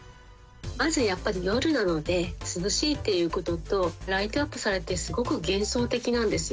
まずやっぱり夜なので、涼しいっていうことと、ライトアップされてすごく幻想的なんですよ。